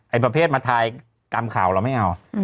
ประเภทมาทายตามข่าวเราไม่เอา